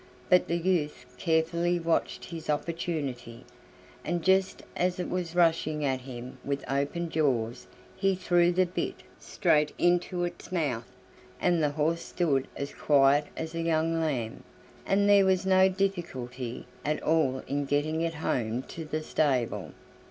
But the youth carefully watched his opportunity, and just as it was rushing at him with open jaws he threw the bit straight into its mouth, and the horse stood as quiet as a young lamb, and there was no difficulty at all in getting it home to the stable.